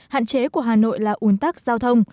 hạn chế của hà nội là un tắc giao thông